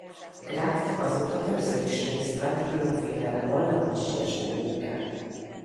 Gackt azóta többször is részt vett különféle ballagási eseményeken.